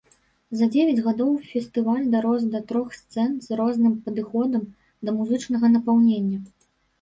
За дзевяць гадоў фестываль дарос да трох сцэн з розным падыходам да музычнага напаўнення.